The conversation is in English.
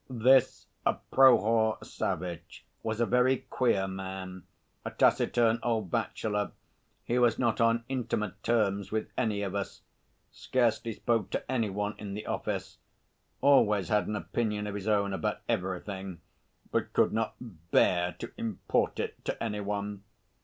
This Prohor Savvitch was a very queer man: a taciturn old bachelor, he was not on intimate terms with any of us, scarcely spoke to any one in the office, always had an opinion of his own about everything, but could not bear to import it to any one.